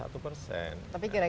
ya kita harapkan